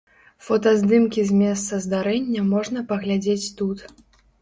Фотаздымкі з месца здарэння можна паглядзець тут.